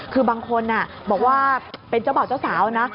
คือบางคนบอกว่าเป็นเจ้าบ่าวเจ้าสาวนะ